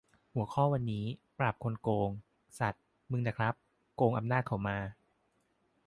หัวข้อวันนี้ "ปราบคนโกง" สัส มึงน่ะครับ โกงอำนาจเขามา